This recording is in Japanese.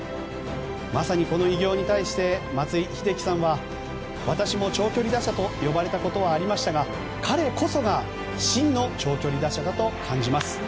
まさにこの偉業に対して松井秀喜さんは私も長距離打者と呼ばれたことはありましたが彼こそが真の長距離打者だと感じます。